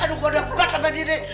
aduh gua udah mbak sama dia nih